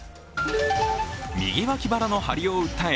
右脇腹の張りを訴え